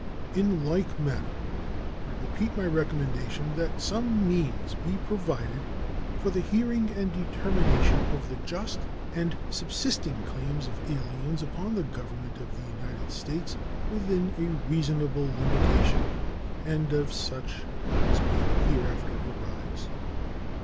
In like manner I repeat my recommendation that some means be provided for the hearing and determination of the just and subsisting claims of aliens upon the Government of the United States within a reasonable limitation, and of such as may hereafter arise.